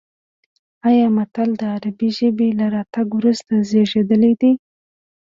ایا متل د عربي ژبې له راتګ وروسته زېږېدلی دی